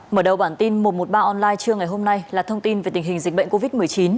mở đầu bản tin một trăm một mươi ba online trưa ngày hôm nay là thông tin về tình hình dịch bệnh covid một mươi chín